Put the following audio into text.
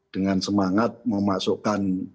dengan semangat memasukkan